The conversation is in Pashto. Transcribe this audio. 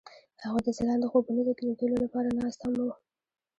هغوی د ځلانده خوبونو د لیدلو لپاره ناست هم وو.